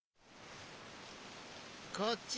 こっち！